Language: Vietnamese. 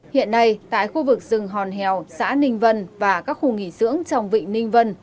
hiện nay tại khu vực rừng hòn hèo xã ninh vân và các khu nghỉ sưỡng trong vị ninh vân